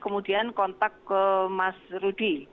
kemudian kontak ke mas rudy